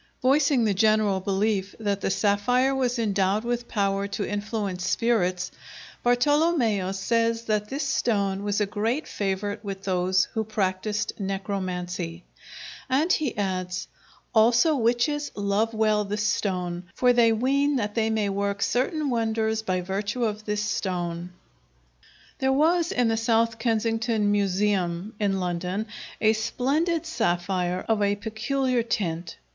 Voicing the general belief that the sapphire was endowed with power to influence spirits, Bartolomæus says that this stone was a great favorite with those who practised necromancy, and he adds: "Also wytches love well this stone, for they wene that they may werke certen wondres by vertue of this stone." There was in the South Kensington Museum, in London, a splendid sapphire of a peculiar tint.